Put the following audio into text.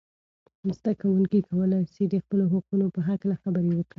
زده کوونکي کولای سي د خپلو حقونو په هکله خبرې وکړي.